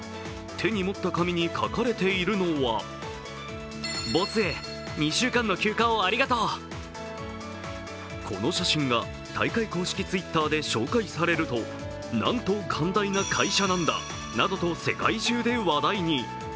手に持った紙に書かれているのはこの写真が大会公式Ｔｗｉｔｔｅｒで紹介されると、なんと寛大な会社なんだなどと世界中で話題に。